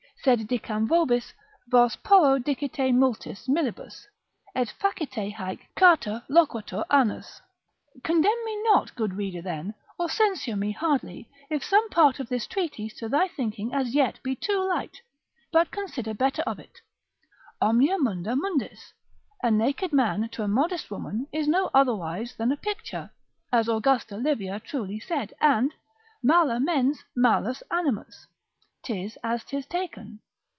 Sed dicam vobis, vos porro dicite multis Millibus, et facite haec charta loquatur anus. Condemn me not good reader then, or censure me hardly, if some part of this treatise to thy thinking as yet be too light; but consider better of it; Omnia munda mundis, a naked man to a modest woman is no otherwise than a picture, as Augusta Livia truly said, and mala mens, malus animus, 'tis as 'tis taken.